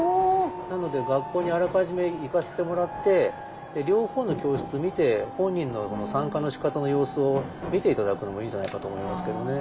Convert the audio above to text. なので学校にあらかじめ行かせてもらって両方の教室見て本人の参加のしかたの様子を見て頂くのもいいんじゃないかと思いますけどね。